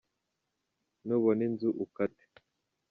nubona inzu ukate.